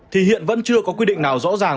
thì hiện vẫn chưa có quy định nào rõ ràng